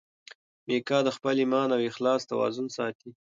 میکا د خپل ایمان او اخلاص توازن ساتي.